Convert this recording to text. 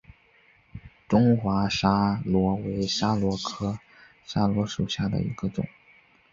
中华桫椤为桫椤科桫椤属下的一个种。